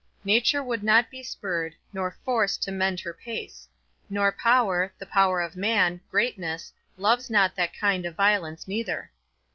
Nature would not be spurred, nor forced to mend her pace; nor power, the power of man, greatness, loves not that kind of violence neither.